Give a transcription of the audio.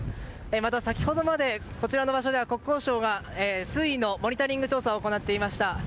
また先ほどまでこちらの場所では国交省が水位のモニタリング調査を行っていました。